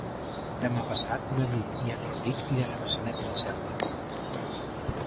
Demà passat na Nit i en Rauric iran a Maçanet de la Selva.